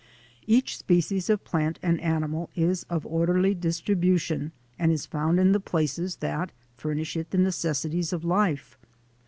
Each species of plant and animal is of orderly distribution and is found in the places that furnish it the necessities of life.